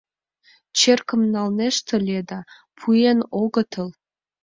— Черкым налнешт ыле да, пуэн огытыл.